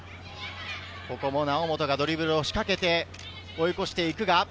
ここも猶本がドリブルを仕掛けて、追い越して行く。